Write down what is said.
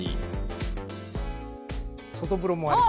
外風呂もあります。